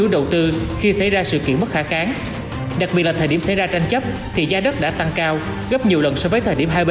đó là không có tâm